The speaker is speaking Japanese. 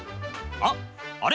あれあれ？